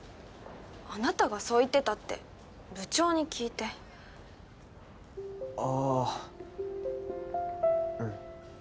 あなたがそう言ってたって部長に聞いてああーうん